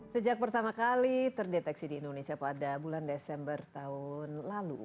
sejak pertama kali terdeteksi di indonesia pada bulan desember tahun lalu